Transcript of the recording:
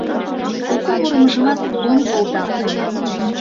Куку мурымыжымат ом колдал ыле.